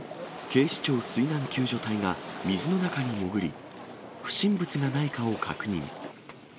警視庁水難救助隊が水の中に潜り、不審物がないかを確認。